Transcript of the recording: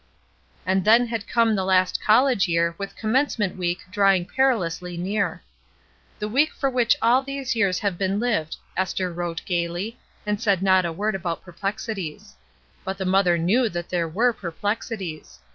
And then had come the last college year with Commencement week drawing perilously near. "The week for which all these years have been lived/' Esther wrote gayly, and said not a word about perplexities. But the mother knew that there were perplexities.